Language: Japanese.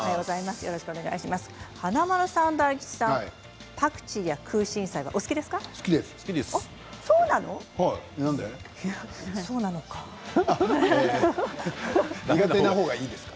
華丸さん、大吉さんはパクチーやクウシンサイ、お好きですか？